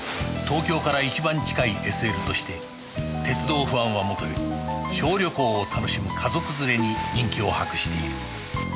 東京から一番近い ＳＬ として鉄道ファンはもとより小旅行を楽しむ家族連れに人気を博している